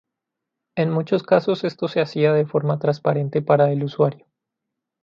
En muchos casos esto se hacía de forma transparente para el usuario.